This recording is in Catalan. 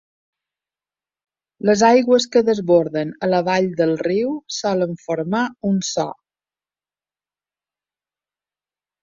Les aigües que desborden a la vall del riu solen formar un so.